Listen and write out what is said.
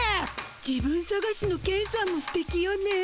自分さがしのケンさんもすてきよね。